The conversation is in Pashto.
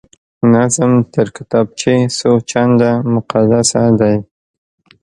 نظم تر کتابچې څو چنده مقدسه دی